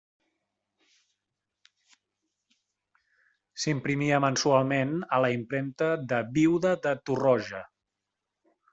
S'imprimia mensualment a la Impremta de Viuda de Torroja.